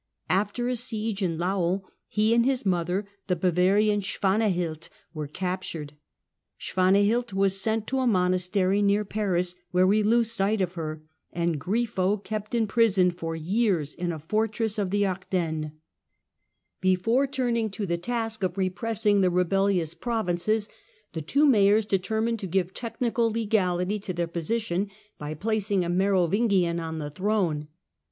After a siege in Laon he and his mother, the Bavarian Swanahild, were captured. Swanahild was sent to a monastery near Paris, where we lose sight of her, and Grifo kept in prison for years in a fortress of the Ardennes. 8 113 114 THE DAWN OF MEDIAEVAL EUROPE Before turning to the task of repressing the rebellious provinces the two mayors determined to give technical legality to their position by placing a Merovingian on the throne.